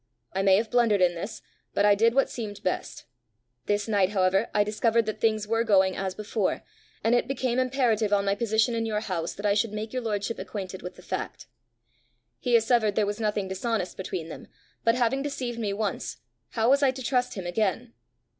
I may have blundered in this, but I did what seemed best. This night, however, I discovered that things were going as before, and it became imperative on my position in your house that I should make your lordship acquainted with the fact. He assevered there was nothing dishonest between them, but, having deceived me once, how was I to trust him again!"